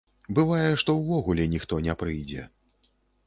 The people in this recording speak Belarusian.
Бывае, што ўвогуле ніхто не прыйдзе.